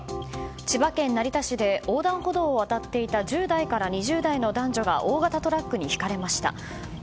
千葉県成田市で横断歩道を渡っていた１０代から２０代の男女が大型トラックにひかれました。